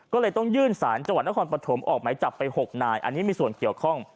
ก็เลยต้องยื่นสารจังหวัดนครปฐมออกไหมจับไป๖นายอันนี้มีส่วนเกี่ยวข้อง